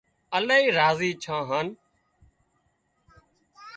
لاهي راضي ڇان هانَ